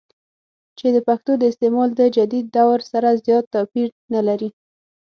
چې دَپښتو دَاستعمال دَجديد دور سره زيات توپير نۀ لري